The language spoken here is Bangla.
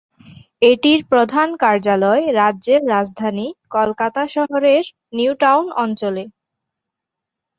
এটির প্রধান কার্যালয় রাজ্যের রাজধানী কলকাতা শহরের নিউ টাউন অঞ্চলে।